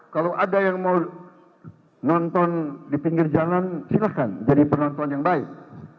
kalau ada yang mau nonton di pinggir jalan silahkan jadi penonton yang baik